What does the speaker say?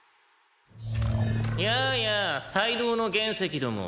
「やあやあ才能の原石ども」